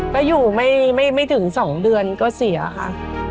ก็อยู่ไม่ถึง๒เดือนก็เสียค่ะ